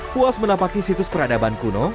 puas menapaki situs peradaban kuno